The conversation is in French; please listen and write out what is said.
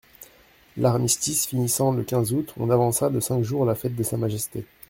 L'armistice finissant le quinze août, on avança de cinq jours la fête de Sa Majesté.